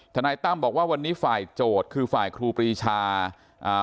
นายตั้มบอกว่าวันนี้ฝ่ายโจทย์คือฝ่ายครูปรีชาอ่า